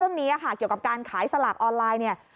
เรื่องนี้เกี่ยวกับการขายสลับออนไลน์